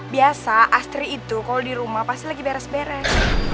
biasa astri itu kalo dirumah pasti lagi beres beres